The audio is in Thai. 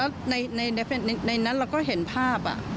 แล้วในนั้นเราก็เห็นภาพ